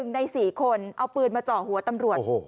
ใน๔คนเอาปืนมาเจาะหัวตำรวจ